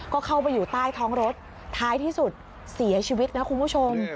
ก็เข้าไปอยู่ใต้ท้องรถท้ายที่สุดเสียชีวิตนะคุณผู้ชม